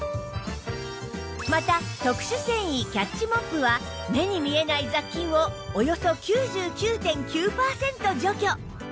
また特殊繊維キャッチモップは目に見えない雑菌をおよそ ９９．９ パーセント除去